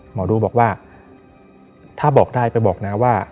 หมอดูบอกว่าถ้าบอกได้ไปบอกนะว่า